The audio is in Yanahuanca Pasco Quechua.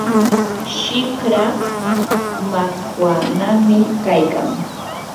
shikra makwanami kaykan.